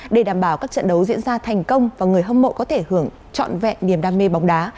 để đảm bảo các trận đấu diễn ra thành công và người hâm mộ có thể hưởng trọn vẹn niềm đam mê bóng đá